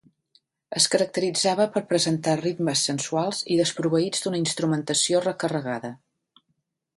Es caracteritzava per presentar ritmes sensuals i desproveïts d'una instrumentació recarregada.